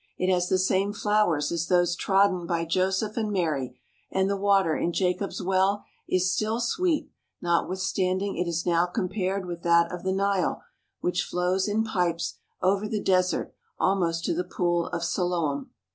It has the same flowers as those trodden THE HOLY LAND AND SYRIA by Joseph and Mary, and the water in Jacob's Well is still sweet, notwithstanding it is now compared with that of the Nile which flows in pipes over the desert almost to the Pool of Siloam.